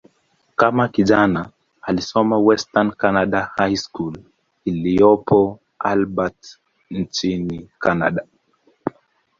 Kama kijana, alisoma "Western Canada High School" iliyopo Albert, nchini Kanada.